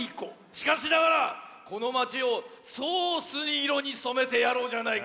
しかしながらこのまちをソースいろにそめてやろうじゃないか。